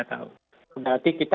satu tiga tahun berarti kita